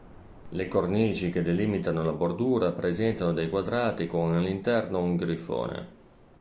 Le cornici che delimitano la bordura presentano dei quadrati con all'interno un grifone.